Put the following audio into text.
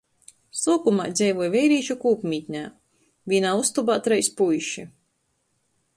Suokumā dzeivoj veirīšu kūpmītnē – vīnā ustobā treis puiši.